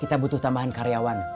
kita butuh tambahan karyawan